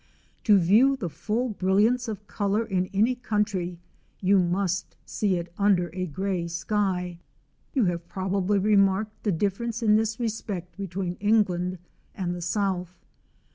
To view the full brilliance of colour in any country, you must see it under a grey sky. You have probably remarked the difference in this respect between England and the South.